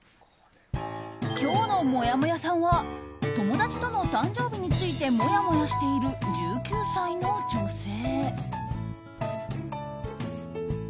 今日のもやもやさんは友達との誕生日についてもやもやしている１９歳の女性。